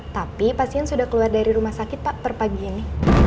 tapi pasien sudah keluar dari rumah sakit pak per pagi ini